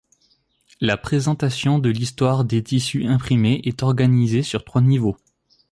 La présentation de l'histoire des tissus imprimés est organisée sur trois niveaux.